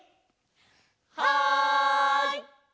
はい！